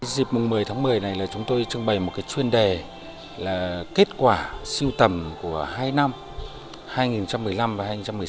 dịp một mươi tháng một mươi này là chúng tôi trưng bày một chuyên đề là kết quả siêu tầm của hai năm hai nghìn một mươi năm và hai nghìn một mươi sáu